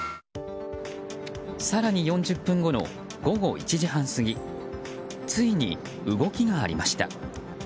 更に４０分後の午後１時半過ぎついに動きがありました。